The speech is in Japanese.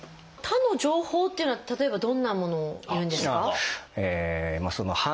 「他の情報」っていうのは例えばどんなものを言うんですか？